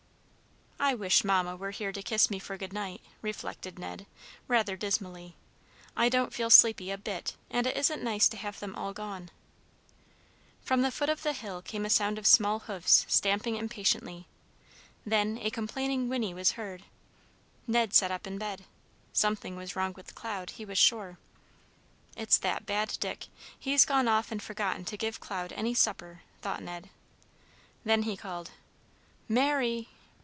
"I wish Mamma were here to kiss me for good night," reflected Ned, rather dismally. "I don't feel sleepy a bit, and it isn't nice to have them all gone." From the foot of the hill came a sound of small hoofs stamping impatiently. Then a complaining whinny was heard. Ned sat up in bed. Something was wrong with Cloud, he was sure. "It's that bad Dick. He's gone off and forgotten to give Cloud any supper," thought Ned. Then he called "Mary!